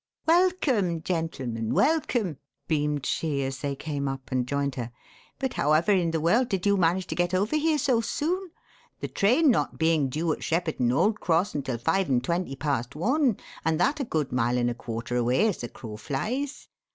"Welcome, gentlemen, welcome," beamed she as they came up and joined her. "But however in the world did you manage to get over here so soon? the train not being due at Shepperton Old Cross until five and twenty past one, and that a good mile and a quarter away as the crow flies.